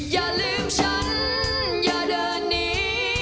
อย่าลืมฉันอย่าเดินหนี